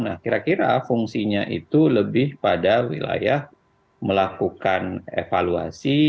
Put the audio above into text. nah kira kira fungsinya itu lebih pada wilayah melakukan evaluasi